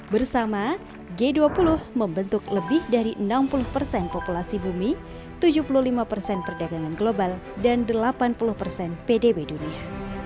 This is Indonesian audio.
bersama g dua puluh membentuk lebih dari enam puluh persen populasi bumi tujuh puluh lima persen perdagangan global dan delapan puluh persen pdb dunia